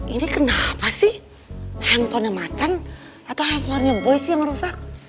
ini kenapa sih handphonenya matang atau handphonenya boy sih yang rusak